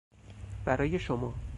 برای شما